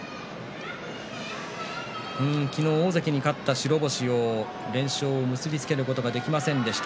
昨日、大関に勝った白星を結び付けることができませんでした。